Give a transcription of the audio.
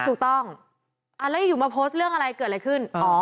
ถูกต้องแล้วอยู่มาโพสต์เรื่องอะไรเกิดอะไรขึ้น